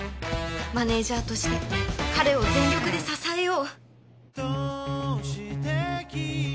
マネージャーとして彼を全力で支えよう